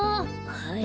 はい。